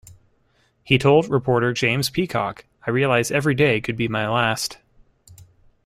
He told reporter James Peacock, I realise every day could be my last.